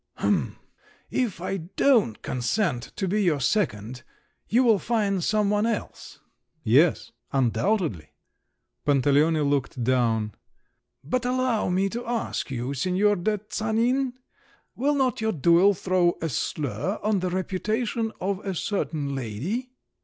"H'm. If I don't consent to be your second you will find some one else." "Yes … undoubtedly." Pantaleone looked down. "But allow me to ask you, Signor de Tsanin, will not your duel throw a slur on the reputation of a certain lady?"